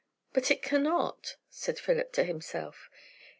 But it cannot! said Philip to himself.